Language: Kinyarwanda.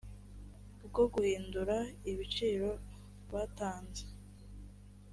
bwo guhindura ibiciro batanze